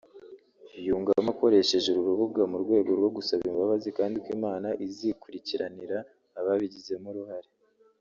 yungamo ko akoresheje uru rubuga mu rwego rwo gusaba imbabazi kandi ko Imana izikurikiranira ababigizemo uruhare